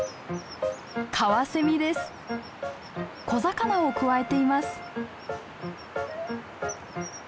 小魚をくわえています。